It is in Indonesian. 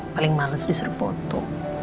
paling males disuruh foto